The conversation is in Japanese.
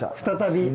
再び？